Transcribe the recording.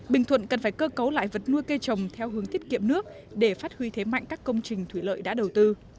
bình thuận cần phải cơ cấu lại vật nuôi cây trồng theo hướng tiết kiệm nước để phát huy thế mạnh các công trình thủy lợi đã đầu tư